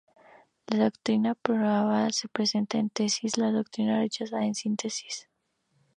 La doctrina aprobada se presenta en "tesis"; la doctrina rechazada en "antítesis".